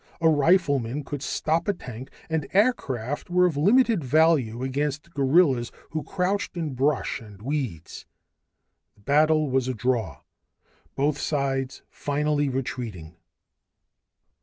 A rifleman could stop a tank, and aircraft were of limited value against guerrillas who crouched in brush and weeds. The battle was a draw, with both sides finally retreating.